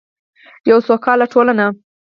یوه سوکاله ټولنه.